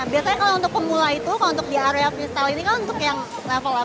biasanya kalau untuk pemula itu kalau untuk di area freestyle ini kan untuk yang level delapan